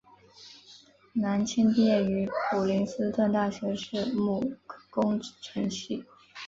蓝钦毕业于普林斯顿大学土木工程系。